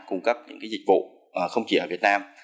cung cấp những dịch vụ không chỉ ở việt nam